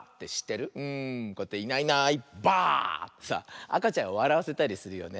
こうやって「いないいないばあ！」ってさあかちゃんをわらわせたりするよね。